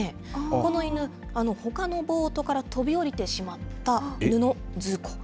この犬、ほかのボートから飛び降りてしまった犬のズーコ。